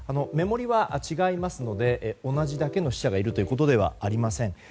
目盛りは違いますので同じだけの死者がいるということではありません。